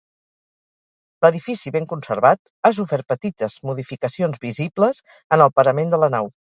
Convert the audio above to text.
L'edifici ben conservat, ha sofert petites modificacions visibles en el parament de la nau.